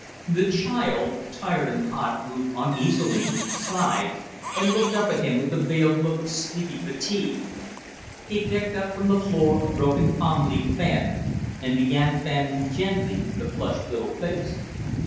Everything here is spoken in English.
The child, tired and hot, moved uneasily, sighed, and looked up at him with the veiled look of sleepy fatigue. He picked up from the floor a broken palm leaf fan, and began fanning gently the flushed little face.